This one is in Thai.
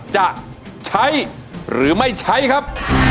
จะใช้หรือไม่ใช้ครับ